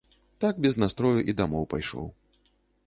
Так без настрою і дамоў пайшоў.